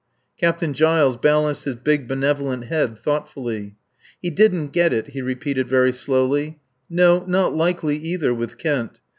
Captain Giles balanced his big benevolent head thoughtfully. "He didn't get it," he repeated very slowly. "No, not likely either, with Kent.